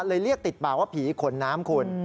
เลยเรียกติดบ่าวว่าผีขนน้ำคุณ